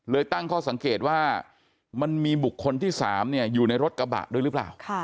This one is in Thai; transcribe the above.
ตั้งข้อสังเกตว่ามันมีบุคคลที่๓อยู่ในรถกระบะด้วยหรือเปล่า